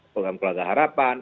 pengam kelabar harapan